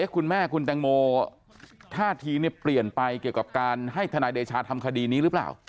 คุณแม่คุณแตงโมท่าทีเปลี่ยนไปเกี่ยวกับการให้ทนายเดชาทำคดีนี้หรือเปล่า